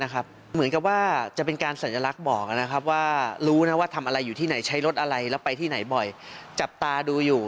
เหมือนกับว่าจะเป็นการสัญลักษณ์บอกว่ารู้นะว่าทำอะไรอยู่ที่ไหนใช้รถอะไรแล้วไปที่ไหนบ่อยจับตาดูอยู่